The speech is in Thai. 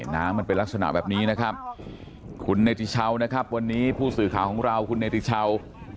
น้ำมันเป็นลักษณะแบบนี้นะครับคุณเนติชาวนะครับวันนี้ผู้สื่อข่าวของเราคุณเนติชาว